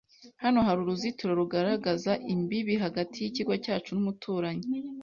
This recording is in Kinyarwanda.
Hano hari uruzitiro rugaragaza imbibi hagati yikigo cyacu n’umuturanyi.